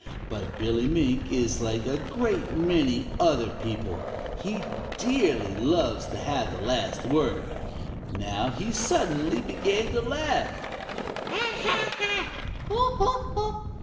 But Billy Mink is like a great many other people; he dearly loves to have the last word. Now he suddenly began to laugh. "Ha, ha, ha!